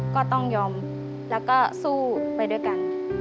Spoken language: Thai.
ก็ต้องยอมแล้วก็สู้ไปด้วยกัน